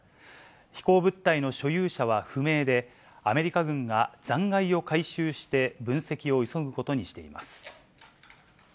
飛行物体の所有者は不明で、アメリカ軍が、残骸を回収して分析を急ぐことにしています。